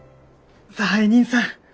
差配人さん。